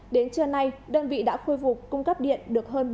đến trưa nay đơn vị đã khôi phục cung cấp điện được hơn bảy mươi năm